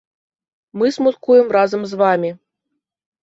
Мы смуткуем разам з вамі.